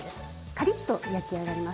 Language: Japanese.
カリッと焼き上がります。